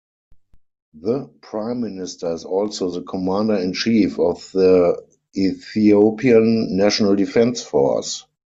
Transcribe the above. The prime minister is also the commander-in-chief of the Ethiopian National Defense Force.